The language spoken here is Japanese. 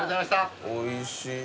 おいしい。